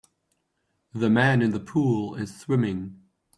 The man in the pool is swimming.